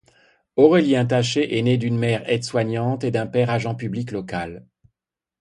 Aurélien Taché est né d’une mère aide-soignante et d’un père agent public local.